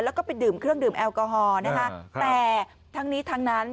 แล้วก็ไปดื่มเครื่องดื่มแอลกอฮอล์นะคะแต่ทั้งนี้ทั้งนั้น